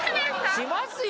しますよ